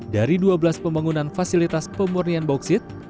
dari dua belas pembangunan fasilitas pemurnian bauksit